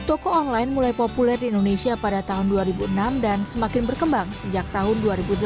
toko online mulai populer di indonesia pada tahun dua ribu enam dan semakin berkembang sejak tahun dua ribu delapan